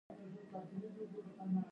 داغلط باور دی چې په یوکس کار نه کیږي .